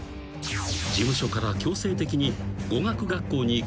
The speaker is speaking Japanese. ［事務所から強制的に］